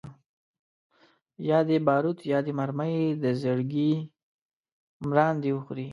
یا دي باروت یا دي مرمۍ د زړګي مراندي وخوري